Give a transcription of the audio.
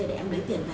để em lấy tiền này